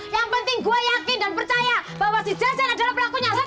yang penting gue yakin dan percaya bahwa si jassen adalah pelakunya